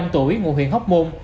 năm mươi năm tuổi ngụ huyện hóc môn